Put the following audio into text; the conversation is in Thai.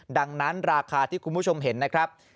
ดังนั้นราคาที่คุณผู้ชมเห็นนะครับ